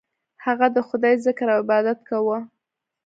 هغه د خدای ذکر او عبادت کاوه.